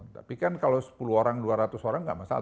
tapi kan kalau sepuluh orang dua ratus orang nggak masalah